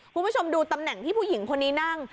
คุณผู้ชมดูตำแหน่งที่ผู้หญิงคนนี้นั่ง